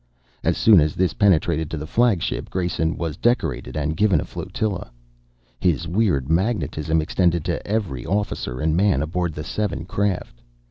As soon as this penetrated to the flagship, Grayson was decorated and given a flotilla. His weird magnetism extended to every officer and man aboard the seven craft.